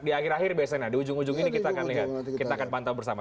di ujung ujung ini kita akan lihat kita akan pantau bersama